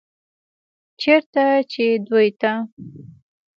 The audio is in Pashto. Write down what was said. چرته چې دوي ته